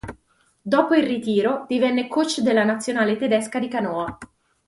Dopo il ritiro divenne coach della nazionale tedesca di canoa.